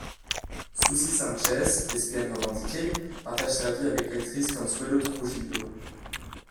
Susi Sánchez, lesbienne revendiquée, partage sa vie avec l’actrice Consuelo Trujillo.